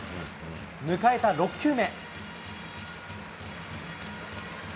迎えた６球目。